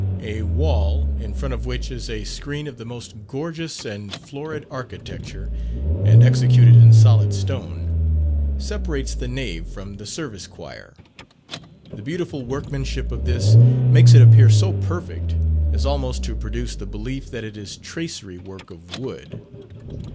A wall, in front of which is a screen of the most gorgeous and florid architecture and executed in solid stone, separates the nave from the service choir. The beautiful workmanship of this makes it appear so perfect, as almost to produce the belief that it is tracery work of wood.